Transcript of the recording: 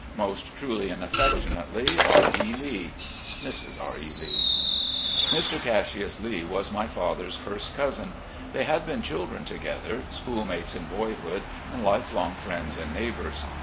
"Most truly and affectionately, "R. E. Lee. "Mrs. R. E. Lee." Mr. Cassius Lee was my father's first cousin. They had been children together, schoolmates in boyhood, and lifelong friends and neighbours.